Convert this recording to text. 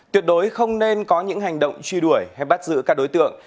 tuyệt đối không nên có những hành động truy đuổi hay bắt giữ các đối tượng